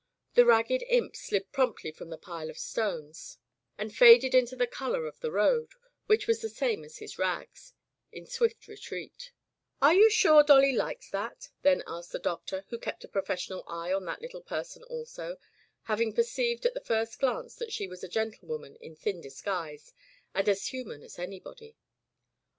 The ragged imp slid prompdy from the pile of stones and faded into the color of the road, which was the same as his rags, in swift retreat. Digitized by LjOOQ IC The Convalescence of Gerald "Are you sure Dolly likes that?" then asked the Doctor, who kept a professional eye on that little person also, having per ceived at the first glance that she was a gentle woman in thin disguise and as human as anybody.